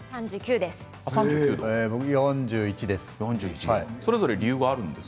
僕は４１です。